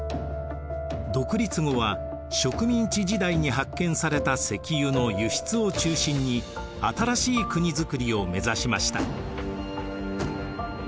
独立後は植民地時代に発見された石油の輸出を中心に新しい国づくりをめざしました。